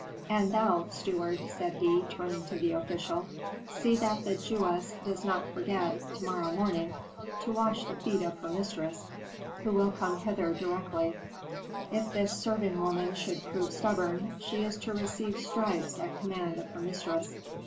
"And thou, steward," said he, turning to the official, "see that the Jewess does not forget, to morrow morning, to wash the feet of her mistress, who will come hither directly. If this serving woman should prove stubborn, she is to receive stripes at command of her mistress.